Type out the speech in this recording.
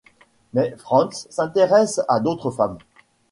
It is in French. Mais Franz s'intéresse à d'autres femmes.